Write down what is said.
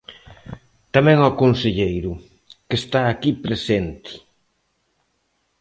Tamén ao conselleiro, que está aquí presente.